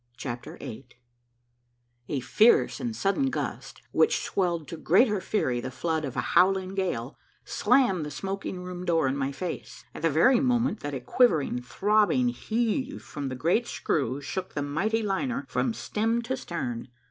CHAPTER VIII A fierce and sudden gust, which swelled to greater fury the flood of a howling gale, slammed the smoking room door in my face, at the very moment that a quivering, throbbing heave from the great screw shook the mighty liner from stem to stern.